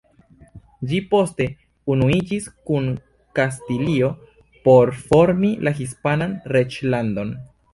Ĝi poste unuiĝis kun Kastilio por formi la hispanan reĝlandon.